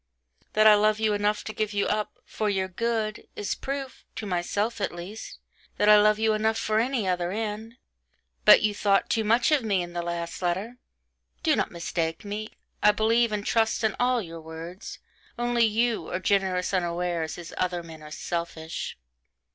That I love you enough to give you up 'for your good,' is proof (to myself at least) that I love you enough for any other end: but you thought too much of me in the last letter. Do not mistake me. I believe and trust in all your words only you are generous unawares, as other men are selfish.